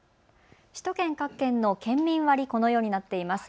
首都圏各県の県民割、このようになっています。